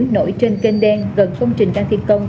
nổi trên kênh đen gần công trình trang thiên công